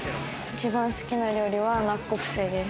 一番好きな料理はナッコプセ鍋です。